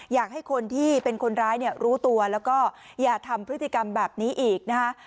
อยากให้คนที่เป็นคนร้ายเนี่ยรู้ตัวแล้วก็อย่าทำพฤติกรรมแบบนี้อีกนะคะ